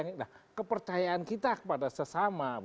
nah kepercayaan kita kepada sesama